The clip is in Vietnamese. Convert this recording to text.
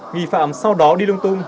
nghi phạm sau đó đi lung tung